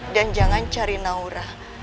dan jangan cari naura